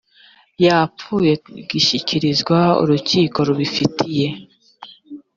yapfuye gishyikirizwa urukiko rubifitiye